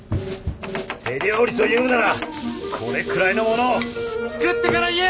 手料理というならこれくらいのものを作ってから言え！